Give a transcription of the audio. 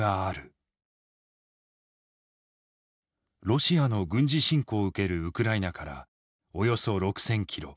ロシアの軍事侵攻を受けるウクライナからおよそ６，０００ｋｍ。